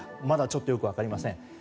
まだちょっとよく分かりません。